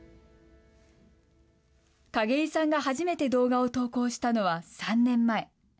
景井さんが初めて動画を投稿したのは３年前。